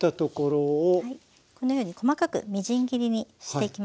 このように細かくみじん切りにしていきますね。